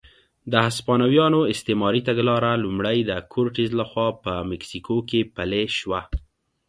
د هسپانویانو استعماري تګلاره لومړی د کورټز لخوا په مکسیکو کې پلې شوه.